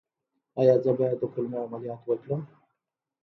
ایا زه باید د کولمو عملیات وکړم؟